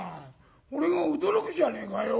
俺が驚くじゃねえかよ。